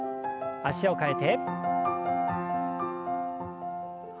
脚を替えて。